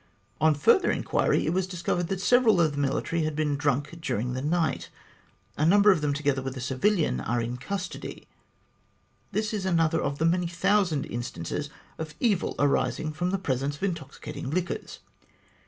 On further inquiry, it was discovered that several of the military had been drunk during the night. A number of them, together with a civilian, are in custody. This is another of the many thousand instances of evil arising from the presence of intoxicating liquors.